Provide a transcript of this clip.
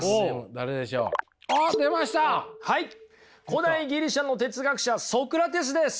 古代ギリシャの哲学者ソクラテスです！